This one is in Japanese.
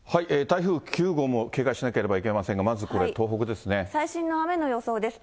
台風９号も警戒しなければいけませんが、まずこれ、最新の雨の予想です。